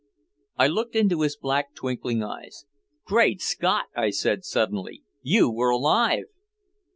I looked into his black twinkling eyes. "Great Scott!" I said suddenly. "You were alive!"